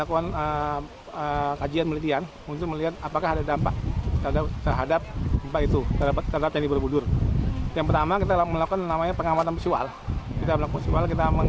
kemudian kemudian untuk memutuskan berlanjut kita lakukan pengukuran